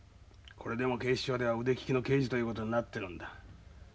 これでも警視庁では腕ききの刑事という事になってるんだ。